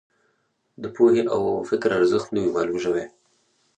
د پوهې او فکر ارزښت نه وي معلوم شوی.